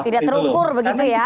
tidak terukur begitu ya